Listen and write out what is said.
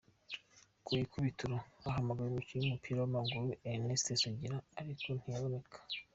Ku ikubitiro hahamagawe umukinnyi w’umupira w’amaguru Erinesiti Sugira ariko ntiyaboneka.